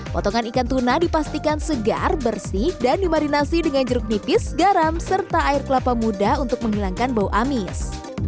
potongan ikan tuna dipastikan segar bersih dan dimarinasi dengan jeruk nipis garam serta air kelapa muda untuk menghilangkan bau amis